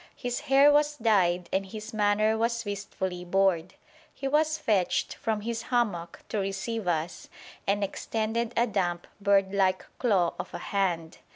His hair was dyed and his manner was wistfully bored. He was fetched from his hammock to receive us, and extended a damp bird like claw of a hand.